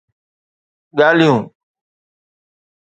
ڳالهيون